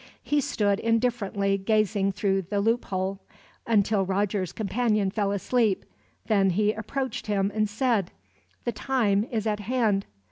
He stood, indifferently gazing through the loophole, until Roger's companion fell asleep. Then he approached him and said: "The time is at hand.